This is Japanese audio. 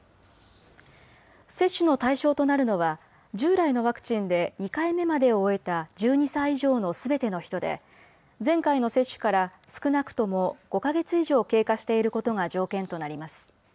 接種の対象となるのは従来なワクチンで２回目までを終え１２歳以上のすべての人で前回の接種から少なくとも５か月以上経過していることが条件となります。